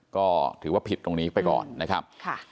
ก็ถือว่าผิดตรงนี้ไปก่อนนะครับ